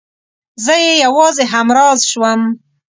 زه يې يوازې همراز شوم.